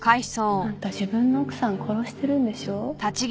あんた自分の奥さん殺してるんでしょ。